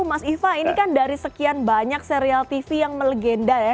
mas iva ini kan dari sekian banyak serial tv yang melegenda ya